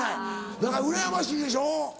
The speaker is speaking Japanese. だからうらやましいでしょ？